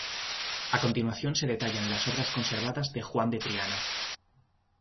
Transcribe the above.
A continuación se detallan las obras conservadas de Juan de Triana.